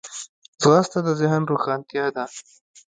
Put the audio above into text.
ځغاسته د ذهن روښانتیا ده